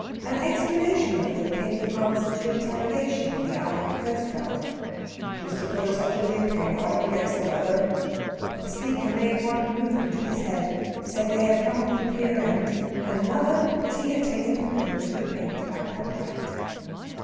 An explanation of them came in answer to interrogation in the eye of the coastguard. "Just to put a touch of new paint on 'em against the weather." The speaker made one movement of his head say that they had come from the pier end, and another that he had taken them home to repaint by contract.